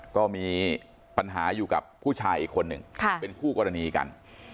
ก็มีปัญหาอยู่กับผู้ชายอีกคนหนึ่งเป็นคู่กรณีกัน